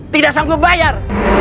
tidak sanggup bayar